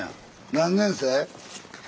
何年生？